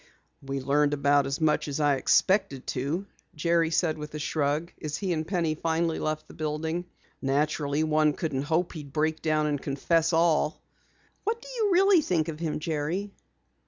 "We learned about as much as I expected to," Jerry said with a shrug, as he and Penny finally left the building. "Naturally one couldn't hope he'd break down and confess all." "What did you really think of him, Jerry?"